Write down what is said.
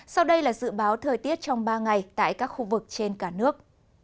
sau đây là dự báo thời tiết trong ba ngày tại các khu vực trên cả nước